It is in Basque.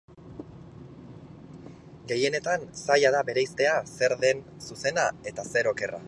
Gehienetan zaila da bereiztea zer den zuzena eta zer okerra.